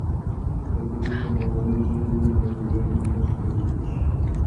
که تدریس په مورنۍ ژبه وي نو ذهن نه ستړي کېږي.